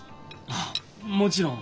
ああもちろん。